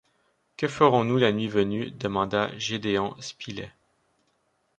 Que ferons-nous, la nuit venue demanda Gédéon Spilett